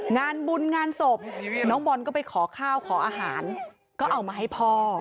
งานบุญงานศพน้องบอลก็ไปขอข้าวขออาหารก็เอามาให้พ่อ